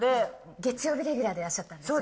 月曜日レギュラーでいらっしゃったんですよ。